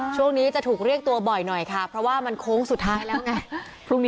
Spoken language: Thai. ช่วงนี้จะถูกเรียกตัวบ่อยหน่อยค่ะเพราะว่ามันโค้งสุดท้ายแล้วไง